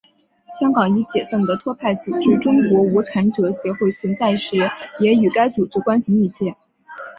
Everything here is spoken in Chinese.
香港已解散的托派组织中国无产者协会存在时也与该组织关系密切。